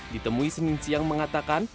ditemui senin siang mengatakan